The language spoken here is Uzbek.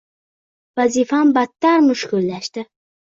Vazifam battar mushkullashdi